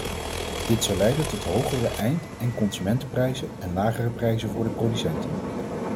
Dit zou leiden tot hogere eind- en consumentenprijzen en lagere prijzen voor de producenten.